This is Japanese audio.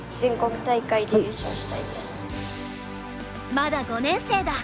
まだ５年生だ！